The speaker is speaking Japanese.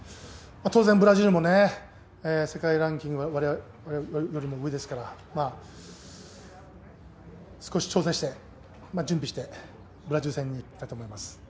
当然、ブラジルも世界ランキングは我々よりも上ですから少し調整して準備してブラジル戦にいきたいと思います。